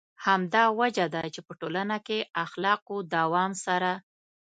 همدا وجه ده چې په ټولنه کې اخلاقو دوام سره.